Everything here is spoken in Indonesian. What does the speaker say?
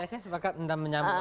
saya sepakat untuk menyambung